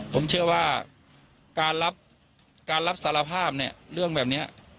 ผมเชื่อว่าการรับการรับสารภาพเนี่ยเรื่องแบบนี้